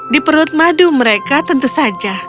di perut madu mereka tentu saja